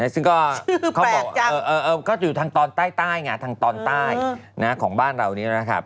ซึ่งก็เขาบอกเขาอยู่ทางตอนใต้ไงทางตอนใต้ของบ้านเรานี้นะครับ